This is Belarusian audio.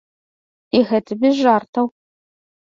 І гэта без жартаў.